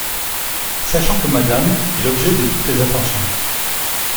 Sachant que Madame est l’objet de toutes les attentions.